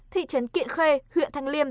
thị trấn kiện khê huyện thăng liêm